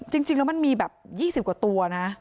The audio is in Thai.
จริงแล้วมันมีแบบ๒๐กว่าตัวนะ